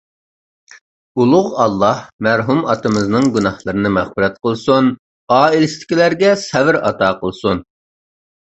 ئۇلۇغ ئاللاھ مەرھۇم ئاتىمىزنىڭ گۇناھلىرىنى مەغپىرەت قىلسۇن. ئائىلىسىدىكىلەرگە سەۋر ئاتا قىلسۇن.